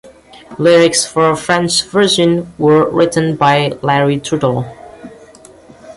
Lyrics for a French version were written by Larry Trudel.